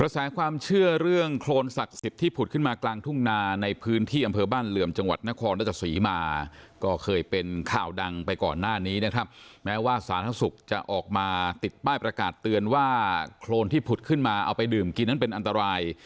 สถานทางสุขจะออกมาติดป้ายประกาศเตือนว่าโครนที่ผุดขึ้นมาเอาไปดื่มกี่นั้นเป็นอันตราย